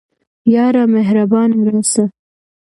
یاره مهربانه راسه